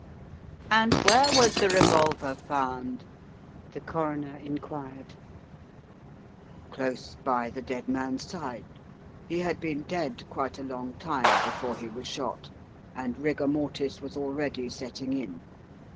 "And where was the revolver found?" the Coroner inquired. Close by the dead man's side. He had been dead quite a long time before he was shot, and rigour mortis was already setting in.